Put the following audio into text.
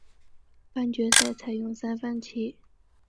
半决赛采用三番棋。